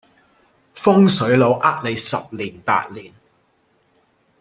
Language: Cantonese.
風水佬呃你十年八年